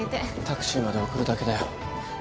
タクシーまで送るだけだよ。